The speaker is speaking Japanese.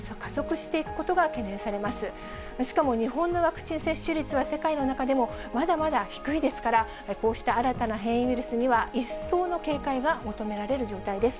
しかも日本のワクチン接種率は世界の中でもまだまだ低いですから、こうした新たな変異ウイルスには、一層の警戒が求められる状態です。